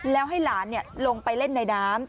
แล้วให้หลานลงไปเล่นในน้ำ